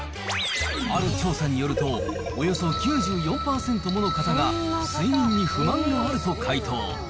ある調査によると、およそ９４％もの方が、睡眠に不満があると回答。